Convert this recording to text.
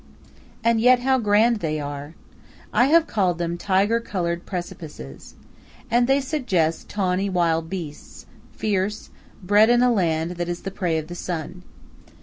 And yet how grand they are! I have called them tiger colored precipices. And they suggest tawny wild beasts, fierce, bred in a land that is the prey of the sun.